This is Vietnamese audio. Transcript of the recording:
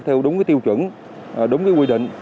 theo đúng tiêu chuẩn đúng quy định